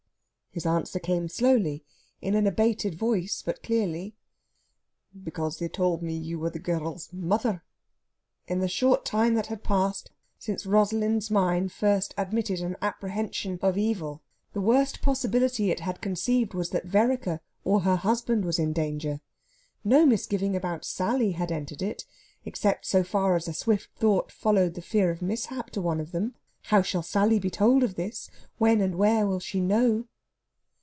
His answer came slowly, in an abated voice, but clearly: "Because they tauld me ye were the girl's mither." In the short time that had passed since Rosalind's mind first admitted an apprehension of evil the worst possibility it had conceived was that Vereker or her husband was in danger. No misgiving about Sally had entered it, except so far as a swift thought followed the fear of mishap to one of them. "How shall Sally be told of this? When and where will she know?"